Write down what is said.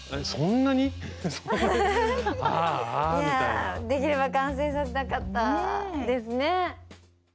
いやできれば完成させたかったですね！